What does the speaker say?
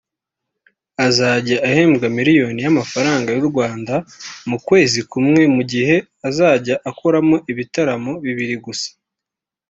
azajya ahembwa miliyoni y’amafaranga y’u Rwanda mu kwezi kumwe mu gihe azajya akoramo ibitaramo bibiri gusa